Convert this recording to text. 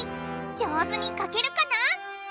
上手に描けるかな？